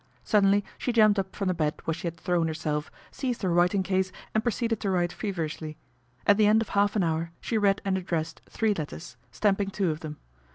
Suddenly she jumped up from the bed where she had thrown herself, seized her writing case and proceeded to write feverishly. At the end of half an hour she read and addressed three letters, stamping two of them.